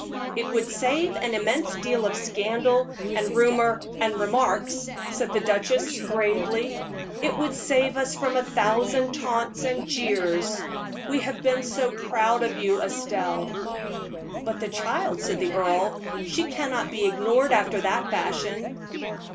"It would save an immense deal of scandal, and rumor, and remarks," said the duchess, gravely; "it would save us from a thousand taunts and jeers. We have been so proud of you, Estelle!" "But the child," said the earl "she cannot be ignored after that fashion."